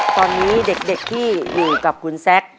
ตอนนี้เด็กที่อยู่กับคุณแซค